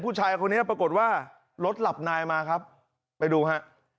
ผู้ชายคนนี้ปรากฏว่ารถหลับนายมาครับไปดูฮะ